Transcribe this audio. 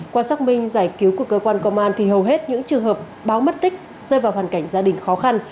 qua xác minh giải cứu của cơ quan công an thì hầu hết những trường hợp báo mất tích rơi vào hoàn cảnh gia đình khó khăn